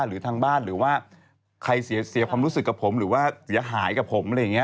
หรือทางบ้านหรือว่าใครเสียความรู้สึกกับผมหรือว่าเสียหายกับผม